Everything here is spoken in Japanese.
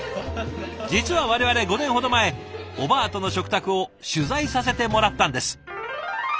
実は我々５年ほど前おばあとの食卓を取材させてもらったんです。